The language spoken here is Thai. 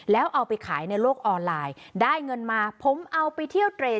แล้วเอาไปขายในโลกออนไลน์ได้เงินมาผมเอาไปเที่ยวเตร